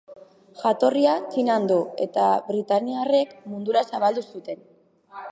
Jatorria Txinan du, eta britainiarrek mundura zabaldu zuten.